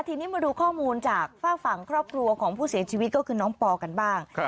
ทีนี้มาดูข้อมูลจากฝากฝั่งครอบครัวของผู้เสียชีวิตก็คือน้องปอกันบ้าง